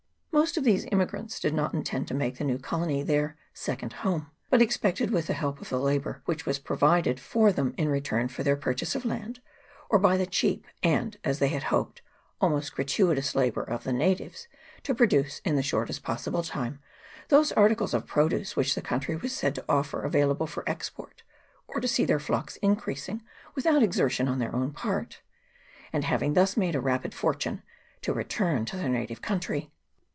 Most of these emigrants did not intend to make the new colony their second home, but expected, with the help of the labour which was provided for them in return for their purchases of land, or by the cheap, and, as they hoped, almost gratuitous labour of the natives, to produce, in the shortest possible time, those articles of produce which the country was said to offer available for export, or to see their flocks increasing without exertion on their own part ; and, having thus made a rapid fortune, to return to their native country.